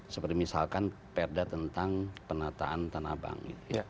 seperti misalkan perda tentang penataan tanah bank